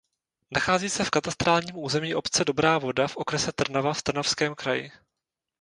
Nachází se v katastrálním území obce Dobrá Voda v okrese Trnava v Trnavském kraji.